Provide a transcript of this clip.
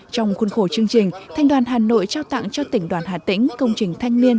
trong khuôn khổ chương trình thanh đoàn hà nội trao tặng cho tỉnh đoàn hà tĩnh công trình thanh niên